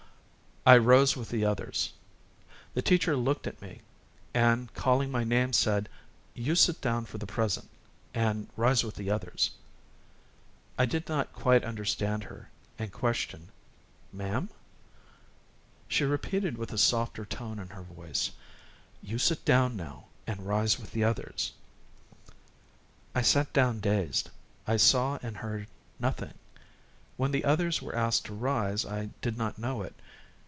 I rose with the others. The teacher looked at me and, calling my name, said: "You sit down for the present, and rise with the others." I did not quite understand her, and questioned: "Ma'm?" She repeated, with a softer tone in her voice: "You sit down now, and rise with the others." I sat down dazed. I saw and heard nothing. When the others were asked to rise, I did not know it.